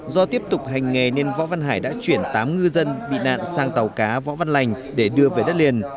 do tiếp tục hành nghề nên võ văn hải đã chuyển tám ngư dân bị nạn sang tàu cá võ văn lành để đưa về đất liền